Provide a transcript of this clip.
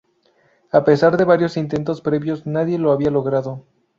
A pesar de varios intentos previos nadie lo había logrado.